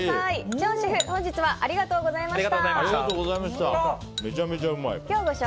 チョンシェフ、今日はありがとうございました。